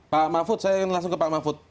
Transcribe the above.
pak mahfud saya ingin langsung ke pak mahfud